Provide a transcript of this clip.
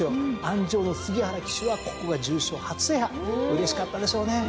あん上の杉原騎手はここが重賞初制覇うれしかったでしょうね。